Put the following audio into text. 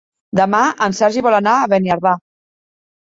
Demà en Sergi vol anar a Beniardà.